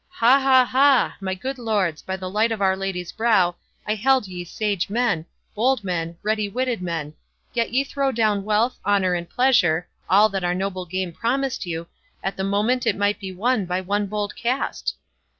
"Ha, ha, ha! my good lords, by the light of Our Lady's brow, I held ye sage men, bold men, ready witted men; yet ye throw down wealth, honour, pleasure, all that our noble game promised you, at the moment it might be won by one bold cast!"